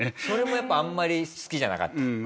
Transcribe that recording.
それもやっぱあんまり好きじゃなかった？